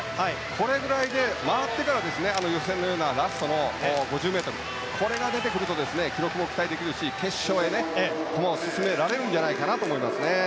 これぐらいで回ってから予選のようなラストの５０ｍこれが出てくると記録も期待できるし決勝へ駒を進められるんじゃないかなと思いますね。